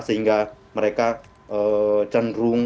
sehingga mereka cenderung